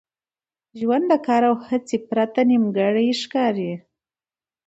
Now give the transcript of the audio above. ژوند د کار او هڅي پرته نیمګړی ښکاري.